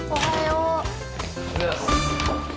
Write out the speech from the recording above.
おはようございます。